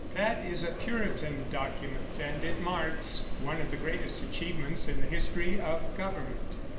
That is a Puritan document, and it marks one of the greatest achievements in the history of government.